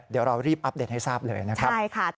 เดี๋ยวเรารีบอัปเดตให้ทราบเลยนะครับ